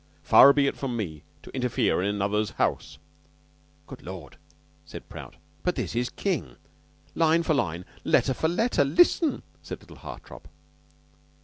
Far be it from me to interfere with another's house " ("Good Lord!" said Prout, "but this is King." "Line for line, letter for letter; listen;" said little Hartopp.)